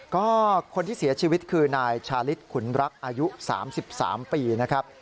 ก็คนที่เสียชีวิตคือนายชาลิศขุนรักอายุ๓๓ปีนะครับ